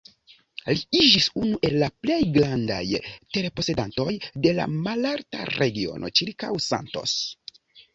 Li iĝis unu el la plej grandaj terposedantoj de la malalta regiono ĉirkaŭ Santos.